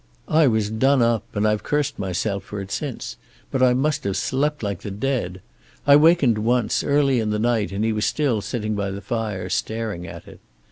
"I was done up, and I've cursed myself for it since, but I must have slept like the dead. I wakened once, early in the night, and he was still sitting by the fire, staring at it.